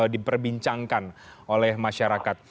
diperbincangkan oleh masyarakat